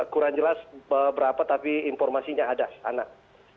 kurang jelas berapa tapi informasinya ada anak